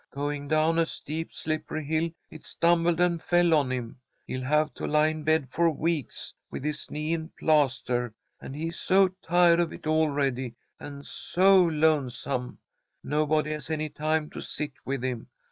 Going down a steep, slippery hill, it stumbled and fell on him. He'll have to lie in bed for weeks, with his knee in plaster, and he's so tired of it already, and so lonesome. Nobody has any time to sit with him.